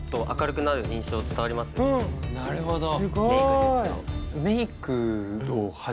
なるほど。